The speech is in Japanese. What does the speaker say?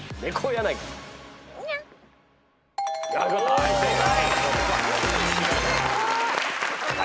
はい正解。